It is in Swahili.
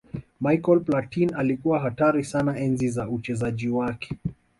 michael platin alikuwa hatari sana enzi za uchezaji wake